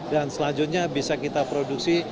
dan selanjutnya bisa kita produksi